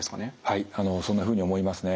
はいそんなふうに思いますね。